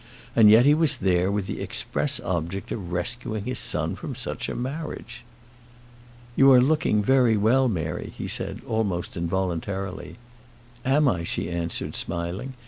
And yet he was there with the express object of rescuing his son from such a marriage! "You are looking very well, Mary," he said, almost involuntarily. "Am I?" she answered, smiling.